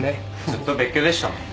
ずっと別居でしたもんね。